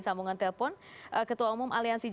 sambungan telepon ketua umum aliansi jenderalnya